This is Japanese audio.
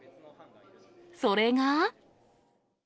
それが。